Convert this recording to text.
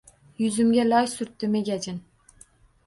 Yuzimga loy surtdi megajin